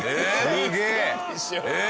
すげえ！